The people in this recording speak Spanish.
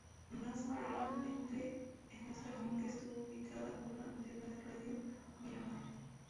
Más modernamente, en esta finca estuvo ubicada una antena de Radio Miramar.